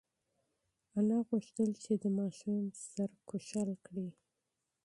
انا غوښتل چې د ماشوم سر ښکل کړي.